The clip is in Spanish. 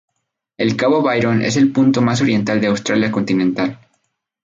El Cabo Byron es el punto más oriental de Australia continental.